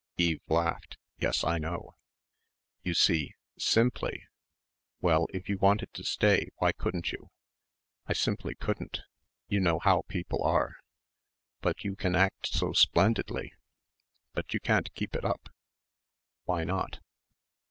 Eve laughed. "Yes, I know." "You see? Simply." "Well, if you wanted to stay, why couldn't you?" "I simply couldn't; you know how people are." "But you can act so splendidly." "But you can't keep it up." "Why not?"